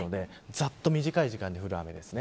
ざっと短い時間に降る雨です。